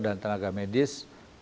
dan tenaga medis